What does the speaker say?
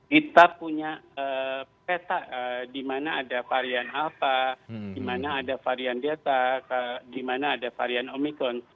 kita punya peta di mana ada varian alpha di mana ada varian delta di mana ada varian omikron